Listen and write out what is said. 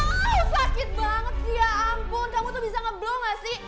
auuu sakit banget sih ya ampun kamu tuh bisa ngeblow gak sih